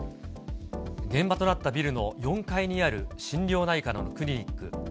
現場となったビルの４階にある心療内科のクリニック。